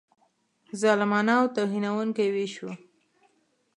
ظالمانه او توهینونکی وېش وو.